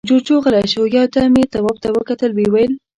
جُوجُو غلی شو، يو دم يې تواب ته وکتل، ويې ويل: